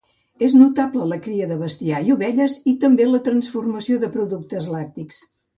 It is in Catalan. És notable la cria de bestiar i ovelles, i també la transformació de productes lactis.